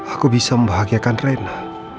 aku bisa membahagiakan rena